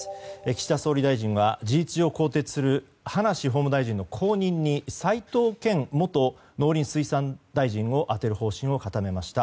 岸田総理大臣は、事実上更迭する葉梨法務大臣の後任に齋藤健元農林水産大臣を充てる方針を固めました。